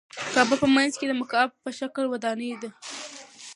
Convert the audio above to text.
کعبه په منځ کې د مکعب په شکل ودانۍ ده.